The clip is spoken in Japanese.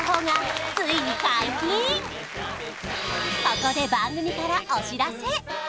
ここで番組からお知らせ